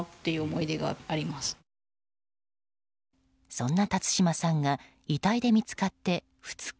そんな辰島さんが遺体で見つかって２日。